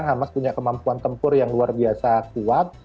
hamas punya kemampuan tempur yang luar biasa kuat